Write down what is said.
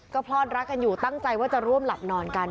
ก็พลอดรักกันอยู่ตั้งใจว่าจะร่วมหลับนอนกัน